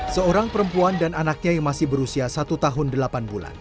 seorang perempuan dan anaknya yang masih berusia satu tahun delapan bulan